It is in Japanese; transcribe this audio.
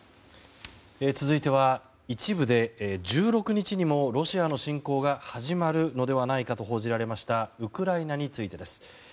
続いては一部で、１６日にもロシアの侵攻が始まるのではないかと報じられましたウクライナについてです。